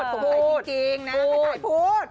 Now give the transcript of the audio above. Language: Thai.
พูดพูดสงสัยจริงนะใครไถ่พูด